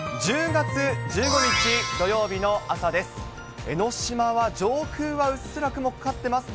１０月１５日土曜日の朝です。